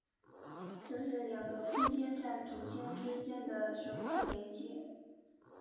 这是两个空间站组件之间的首次连接。